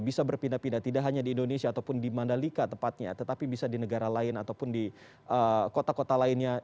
bisa berpindah pindah tidak hanya di indonesia ataupun di mandalika tepatnya tetapi bisa di negara lain ataupun di kota kota lainnya